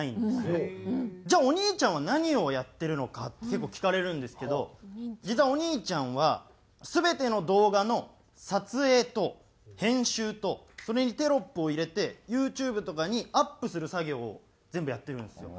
じゃあお兄ちゃんは何をやってるのかって結構聞かれるんですけど実はお兄ちゃんは全ての動画の撮影と編集とそれにテロップを入れてＹｏｕＴｕｂｅとかにアップする作業を全部やってるんですよ。